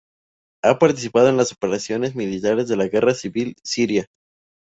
Ha participado en las operaciones militares de la Guerra civil siria.